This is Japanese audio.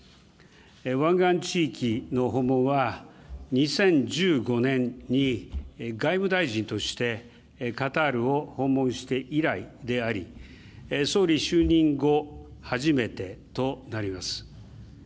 湾岸地域の訪問は、２０１５年に外務大臣としてカタールを訪問して以来であり、総理就任後初めてとなります。